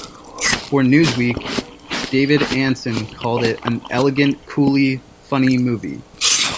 For "Newsweek", David Ansen called it an "elegant, coolly funny movie".